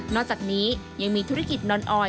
อกจากนี้ยังมีธุรกิจนอนออย